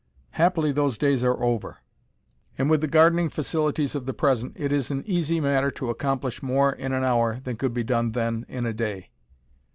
Happily those days are over, and with the gardening facilities of the present it is an easy matter to accomplish more in an hour than could be done then in a day.